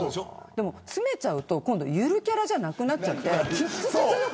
でも詰めちゃうと今度、ゆるキャラじゃなくなっちゃって。